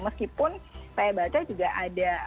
meskipun saya baca juga ada